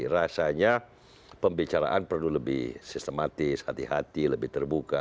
rasanya pembicaraan perlu lebih sistematis hati hati lebih terbuka